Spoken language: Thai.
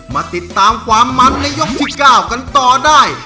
มาติดตามความมันในยกที่๙กันต่อได้